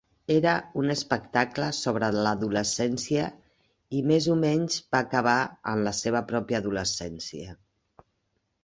Era un espectacle sobre l'adolescència i més o menys va acabar en la seva pròpia adolescència.